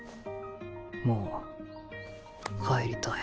もう帰りたい。